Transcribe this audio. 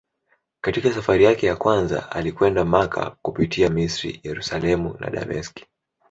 Katika safari yake ya kwanza alikwenda Makka kupitia Misri, Yerusalemu na Dameski.